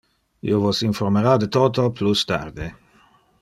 Io vos informara de toto plus tarde.